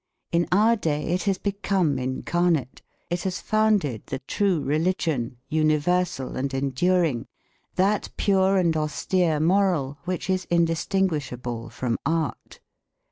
In our day it has become incarnate, it has founded the true religion, universal and enduring, that pure and austere moral which is indistinguishable from art.